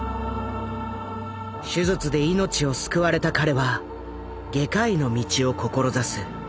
手術で命を救われた彼は外科医の道を志す。